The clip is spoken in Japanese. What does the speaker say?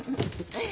はい。